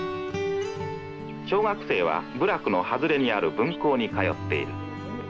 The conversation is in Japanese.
「小学生は部落のはずれにある分校に通っている」。